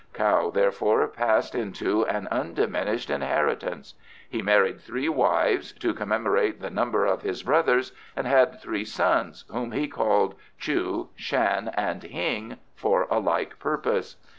Kao therefore passed into an undiminished inheritance. He married three wives, to commemorate the number of his brothers, and had three sons, whom he called Chu, Shan, and Hing, for a like purpose.